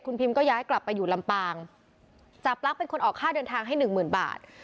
พิมก็ย้ายกลับไปอยู่ลำปางจาบลักษณ์เป็นคนออกค่าเดินทางให้หนึ่งหมื่นบาท